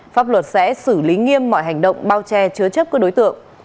pháp luật sẽ xử lý nghiêm mọi hành động bao che chứa chấp các đối tượng